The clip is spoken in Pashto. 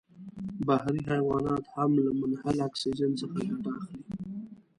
بحري حیوانات هم له منحل اکسیجن څخه ګټه اخلي.